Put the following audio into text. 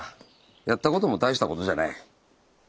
やったことも大したことじゃない。